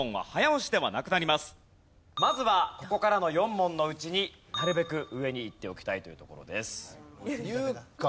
まずはここからの４問のうちになるべく上に行っておきたいというところです。